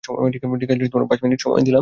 ঠিক আছে, পাঁচ মিনিট সময় দিলাম।